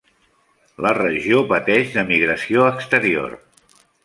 La regió pateix de migració exterior.